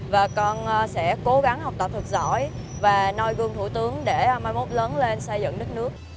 và con sẽ cố gắng học tập thật giỏi và noi gương thủ tướng để mai bốt lớn lên xây dựng đất nước